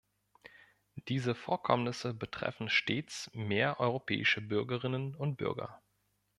Diese Vorkommnisse betreffen stets mehr europäische Bürgerinnen und Bürger.